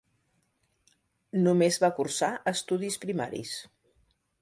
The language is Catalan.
Només va cursar estudis primaris.